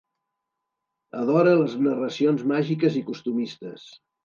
Adore les narracions màgiques i costumistes.